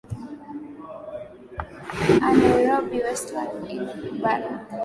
aa nairobi westlands idd mubarak